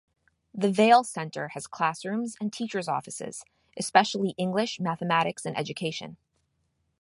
The Vail Center has classrooms, and teachers' offices, especially English, mathematics, and education.